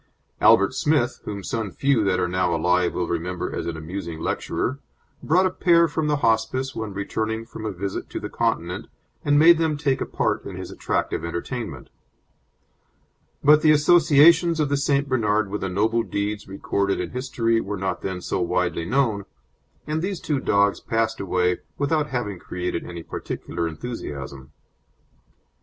Albert Smith, whom some few that are now alive will remember as an amusing lecturer, brought a pair from the Hospice when returning from a visit to the Continent and made them take a part in his attractive entertainment; but the associations of the St. Bernard with the noble deeds recorded in history were not then so widely known, and these two dogs passed away without having created any particular enthusiasm.